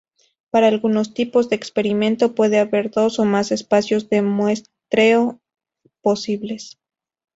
Para algunos tipos de experimento puede haber dos o más espacios de muestreo posibles.